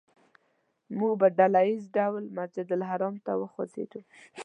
موږ په ډله ییز ډول مسجدالحرام ته وخوځېدو.